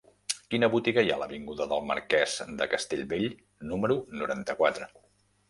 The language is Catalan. Quina botiga hi ha a l'avinguda del Marquès de Castellbell número noranta-quatre?